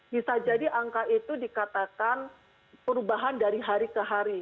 bisa jadi angka itu dikatakan perubahan dari hari ke hari